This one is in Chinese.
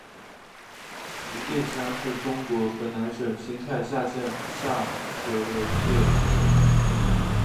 余店乡是中国河南省新蔡县下辖的一个乡。